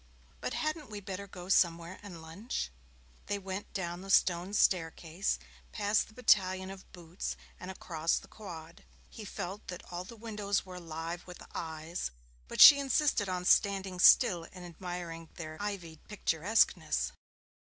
But hadn't we better go somewhere and lunch?' They went down the stone staircase, past the battalion of boots, and across the quad. He felt that all the windows were alive with eyes, but she insisted on standing still and admiring their ivied picturesqueness.